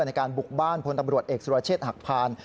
ในการบุกบ้านพลตำรวจเอกสุรเชษฐหักพาน